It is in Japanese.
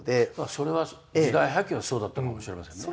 それは時代背景がそうだったかもしれませんね。